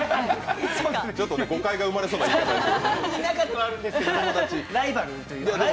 ちょっと誤解が生まれそうな言い方やめてください。